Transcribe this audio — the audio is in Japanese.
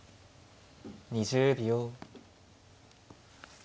２０秒。